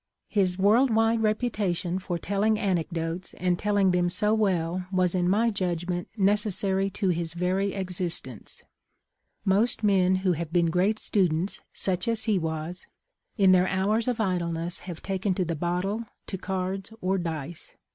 His world wide reputation for telling anecdotes and telling them so well was in my judgment necessary to his very ex THE LIFE OPUNCOLtf. 523 istence. Most men who have been great students, such as he was, in their hours of idleness have taken to the bottle, to cards or dice.